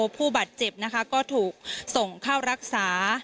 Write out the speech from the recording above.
ผู้บาดเจ็บนะคะก็ถูกส่งเข้ารักษา